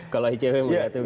kalau icw mengatakan